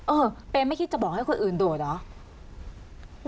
เออเปย์ไม่คิดจะบอกให้คนอื่นโดดเหรอ